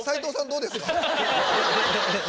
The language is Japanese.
どうですか？